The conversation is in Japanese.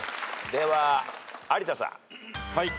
では有田さん。